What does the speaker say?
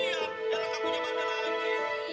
ella gak punya mbak bella lagi